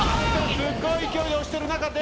すごい勢いで押してる中で。